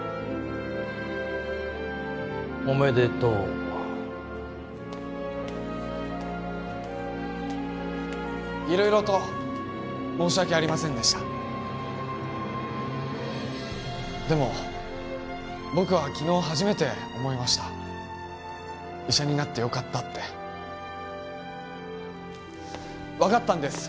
おめでとういろいろと申し訳ありませんでしたでも僕は昨日初めて思いました医者になってよかったって分かったんです